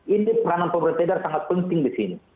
ini peranan pemerintah daerah sangat penting di sini